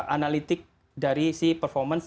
analitik dari si performance